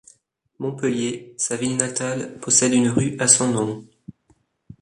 Montpellier, sa ville natale possède une rue à son nom.